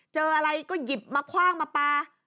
เจออะไรก็หยิบมาคว่างมาปลา